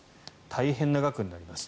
大変な額になります。